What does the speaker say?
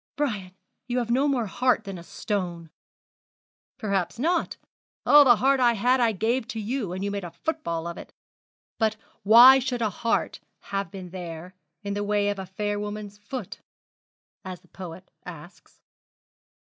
'Brian, you have no more heart than a stone.' 'Perhaps not. All the heart I had I gave to you, and you made a football of it; but "Why should a heart have been there, in the way of a fair woman's foot?" as the poet asks.'